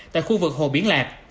tại khu vực hồ biển lạc